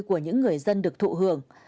của những người dân được thụ hưởng